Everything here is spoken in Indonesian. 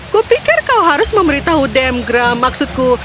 kupikir kau harus memberitahu dame grumble maksudku